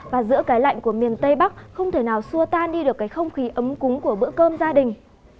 và giữa cái lạnh của miền tây bắc không thể nào xua tan đi được cái không khí ấm cúng của bữa cơm gia đình